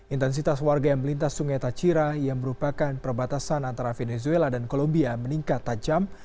intensitas warga yang melintas sungai tacira yang merupakan perbatasan antara venezuela dan kolombia meningkat tajam